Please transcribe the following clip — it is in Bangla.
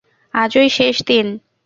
আজই শেষ দিন!